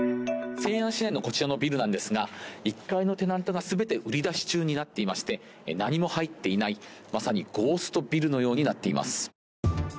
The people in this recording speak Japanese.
西安市内のこちらのビルなんですが１階のテナントが全て売り出し中になっていまして何も入っていないまさにゴーストビルのようになっています。